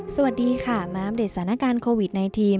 สวัสดีค่ะมาอัปเดตสถานการณ์โควิด๑๙